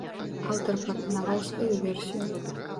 Аўтар прапанаваў сваю версію.